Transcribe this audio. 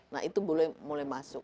nah itu boleh masuk